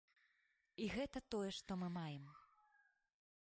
І гэта тое, што мы маем.